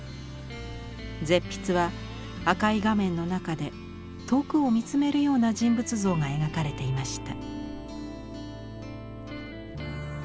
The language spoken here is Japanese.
絶筆は赤い画面の中で遠くを見つめるような人物像が描かれていました。